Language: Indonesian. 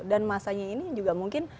dan masanya ini juga mungkin